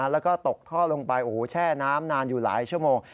แล้วก็ตกท่อลงไปโอ้โหแช่น้ำนานอยู่หลายชั่วโมง